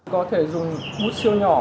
có thể dùng bút siêu nhỏ